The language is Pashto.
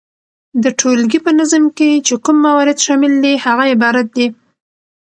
د ټولګي په نظم کي چي کوم موارد شامل دي هغه عبارت دي،